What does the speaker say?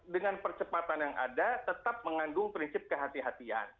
dengan percepatan yang ada tetap mengandung prinsip kehatian